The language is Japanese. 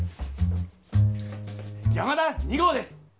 「山田２号」です！